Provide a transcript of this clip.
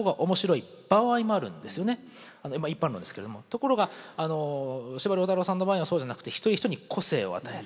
ところが司馬太郎さんの場合はそうじゃなくて一人一人に個性を与える。